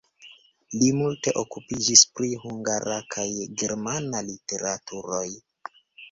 Li multe okupiĝis pri hungara kaj germana literaturoj.